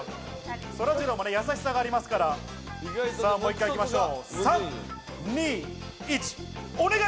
そらジローは優しさがありますが、もう一回行きましょう。